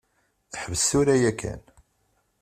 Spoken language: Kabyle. Ḥbes tura yakan.